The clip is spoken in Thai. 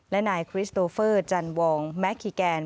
และนายคริสโตเฟอร์จันวองแมคคีแกน